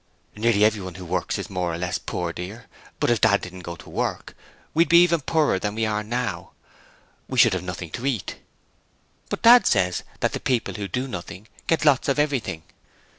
'Nearly everyone who works is more or less poor, dear, but if Dad didn't go out to work we'd be even poorer than we are now. We should have nothing to eat.' 'But Dad says that the people who do nothing get lots of everything.'